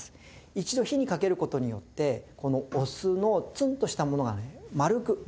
一度火にかける事によってこのお酢のツンとしたものがね丸くなるんですね。